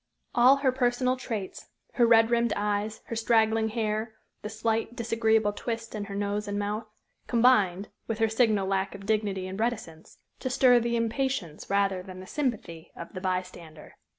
All her personal traits her red rimmed eyes, her straggling hair, the slight, disagreeable twist in her nose and mouth combined, with her signal lack of dignity and reticence, to stir the impatience rather than the sympathy of the by stander.